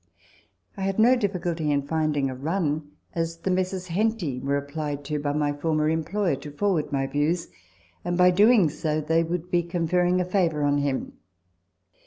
I had no difficulty in finding a run, as the Messrs. Hcnty were applied to by my former employer to forward my views, and by doing so they would be conferring a favour on him.